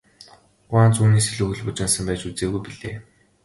Гуанз үүнээс илүү хөл бужигнасан байж үзээгүй билээ.